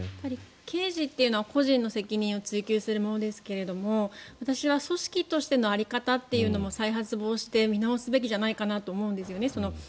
刑事というのは個人の責任を追及するものですけど私は組織としての在り方というのも再発防止で見直すべきじゃないかと思うんですよね。